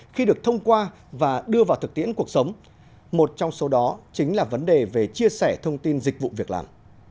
khi được thông qua và đưa vào thực tiễn cuộc sống một trong số đó chính là vấn đề về chia sẻ thông tin dịch vụ việc làm